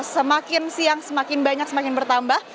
semakin siang semakin banyak semakin bertambah